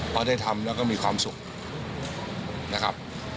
พอได้ทำแล้วก็มีความสุขนะครับ